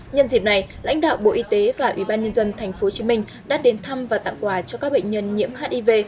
nhân dịp này lãnh đạo bộ y tế và ubnd tp hcm đã đến thăm và tặng quà cho các bệnh nhân nhiễm hiv